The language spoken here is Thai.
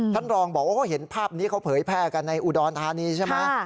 ท่านรองบอกว่าเขาเห็นภาพนี้เขาเผยแพร่กันในอุดรธานีใช่ไหม